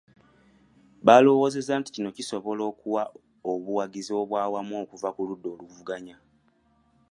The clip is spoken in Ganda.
Baalowoozezza nti kino kisobola okuwa obuwagizi obw'awamu okuva mu ludda oluvuganya.